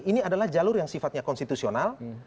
ini adalah jalur yang sifatnya konstitusional